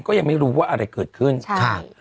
ก็ยังไม่รู้ว่าอะไรเกิดขึ้นใช่